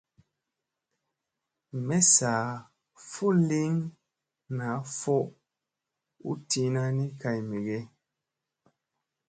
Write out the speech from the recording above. Messa fo lin naa fo u tiina ni kay me ge ?